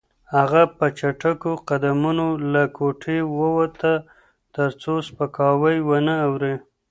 هغه په چټکو قدمونو له کوټې ووته ترڅو سپکاوی ونه اوري.